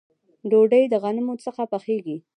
ډوډۍ د غنمو څخه پخیږي